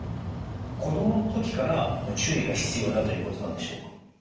子どもの時から注意が必要だということなんでしょうか？